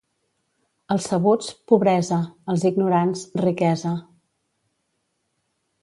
Als sabuts, pobresa; als ignorants, riquesa.